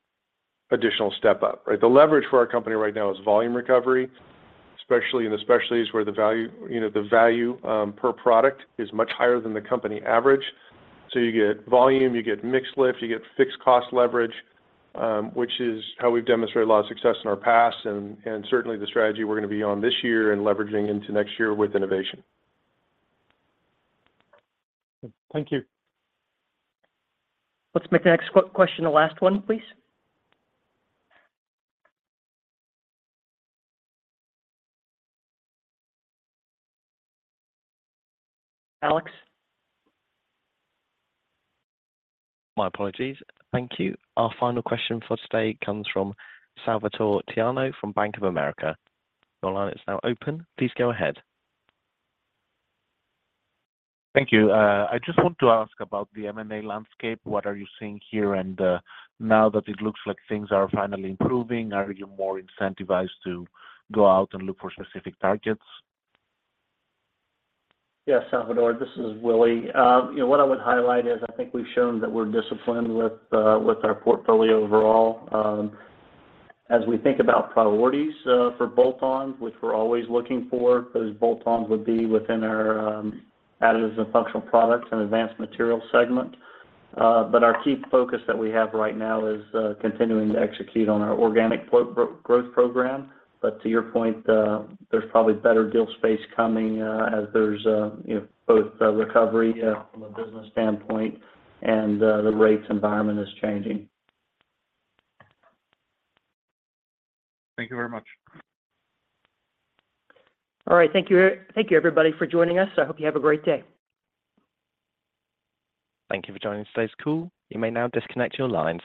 additional step up, right? The leverage for our company right now is volume recovery, especially in the specialties where the value, you know, the value per product is much higher than the company average. So you get volume, you get mixed lift, you get fixed cost leverage, which is how we've demonstrated a lot of success in our past, and certainly the strategy we're going to be on this year and leveraging into next year with innovation. Thank you. Let's make the next question the last one, please. Alex? My apologies. Thank you. Our final question for today comes from Salvator Tiano from Bank of America. Your line is now open. Please go ahead. Thank you. I just want to ask about the M&A landscape. What are you seeing here, and, now that it looks like things are finally improving, are you more incentivized to go out and look for specific targets? Yes, Salvator, this is Willie. You know, what I would highlight is I think we've shown that we're disciplined with, with our portfolio overall. As we think about priorities, for bolt-ons, which we're always looking for, those bolt-ons would be within our, Additives and Functional Products and Advanced Materials segment. But our key focus that we have right now is, continuing to execute on our organic growth program. But to your point, there's probably better deal space coming, as there's, you know, both, recovery, from a business standpoint and, the rates environment is changing. Thank you very much. All right. Thank you, thank you, everybody, for joining us. I hope you have a great day. Thank you for joining today's call. You may now disconnect your lines.